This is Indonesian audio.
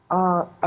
dan itu ya